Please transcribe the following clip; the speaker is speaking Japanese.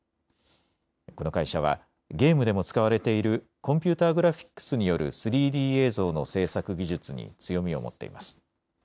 この会社はゲームでも使われているコンピューターグラフィックスによる３Ｄ映像の制作技術に強みを持っています。